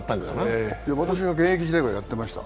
私の現役時代はやっていました。